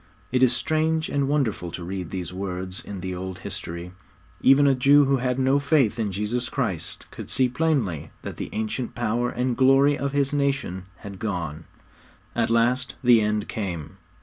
' It is strange and wonderful to read these words in the old history. Even a Jew who had no faith in Jesus Christ could see plainly that the ancient power and glory of his nation had gone. At last the end came.